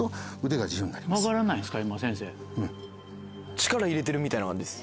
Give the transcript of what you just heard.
力入れてるみたいな感じです。